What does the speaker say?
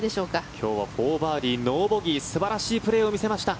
今日は４バーディーノーボギー素晴らしいプレーを見せました。